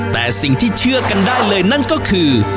แต่สิ่งที่เชื่อกันได้เลยนั่นก็คือ